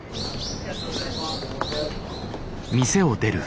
ありがとうございます。